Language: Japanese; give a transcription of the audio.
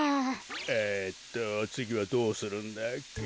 えっとつぎはどうするんだっけ？